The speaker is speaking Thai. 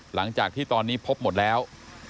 หลังจากที่ตอนนี้พบหมดแล้ว